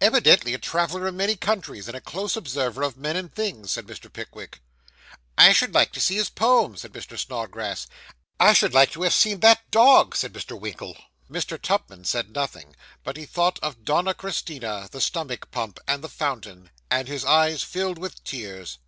'Evidently a traveller in many countries, and a close observer of men and things,' said Mr. Pickwick. 'I should like to see his poem,' said Mr. Snodgrass. 'I should like to have seen that dog,' said Mr. Winkle. Mr. Tupman said nothing; but he thought of Donna Christina, the stomach pump, and the fountain; and his eyes filled with tears.